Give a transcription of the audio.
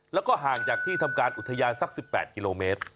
แล้วก็ห่างจากที่ทำการอุทยานสัก๑๘กิโลเมตร